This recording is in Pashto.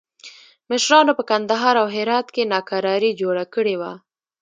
مشرانو په کندهار او هرات کې ناکراري جوړه کړې وه.